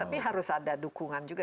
tapi harus ada dukungan juga